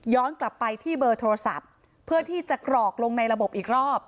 กลับไปที่เบอร์โทรศัพท์เพื่อที่จะกรอกลงในระบบอีกรอบ